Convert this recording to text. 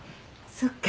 そっか。